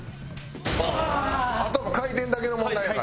あとは回転だけの問題やから。